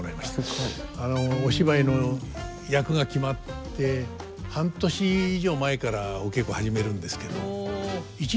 すごい。お芝居の役が決まって半年以上前からお稽古始めるんですけど。